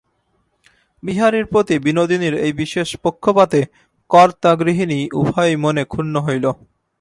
বিহারীর প্রতি বিনোদিনীর এই বিশেষ পক্ষপাতে কর্তা গৃহিণী উভয়েই মনে মনে ক্ষুণ্ন হইল।